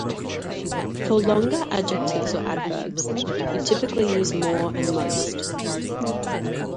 For longer adjectives or adverbs, you typically use more and most.